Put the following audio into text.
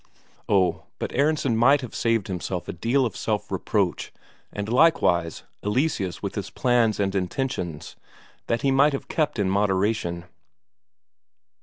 Oh, but Aronsen might have saved himself a deal of self reproach, and likewise Eleseus with his plans and intentions, that he might have kept in moderation.